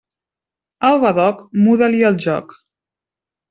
Al badoc muda-li el joc.